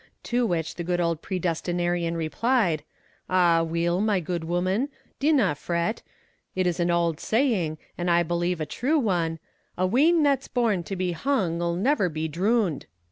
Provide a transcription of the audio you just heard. To which the good old predestinarian replied: "Ah weel, my guid woman, dinna fret; it is an auld saying, an' I believe a true one, 'A wean that's born to be hung 'ill ne'er be droon'd.'"